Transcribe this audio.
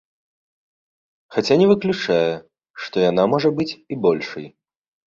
Хаця не выключае, што яна можа быць і большай.